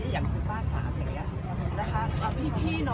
อยากให้ทุกคน